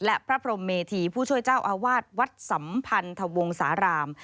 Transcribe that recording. และพระพรมเมธีผู้ช่วยเจ้าอาวาสวัดสัมพันธวงศาลาม